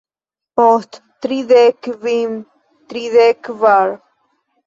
Post tridek kvin... tridek kvar